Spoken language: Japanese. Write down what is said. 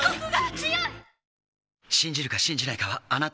強い！